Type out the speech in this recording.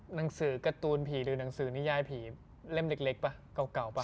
หนังสือการ์ตูนผีหรือหนังสือนิยายผีเล่มเล็กป่ะเก่าป่